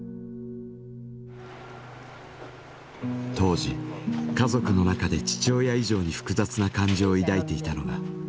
当時家族の中で父親以上に複雑な感情を抱いていたのが母親でした。